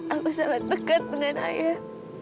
aku sangat dekat dengan ayah